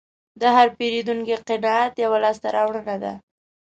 د هر پیرودونکي قناعت یوه لاسته راوړنه ده.